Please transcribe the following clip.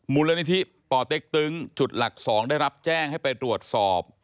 มูลนิธิป่อเต็กตึงจุดหลัก๒ได้รับแจ้งให้ไปตรวจสอบ